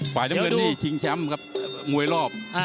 ฝ่ายน้ำเงินนี่ชิงแชมป์ครับมวยรอบ